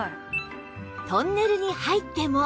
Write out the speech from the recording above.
トンネルに入っても